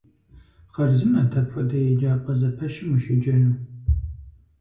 Хъарзынэт апхуэдэ еджапӏэ зэпэщым ущеджэну.